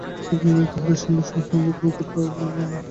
ভগিনীদের নিকট তাহাদের স্বামী সম্বন্ধে কোন কথা আমি বলিতে পারি না।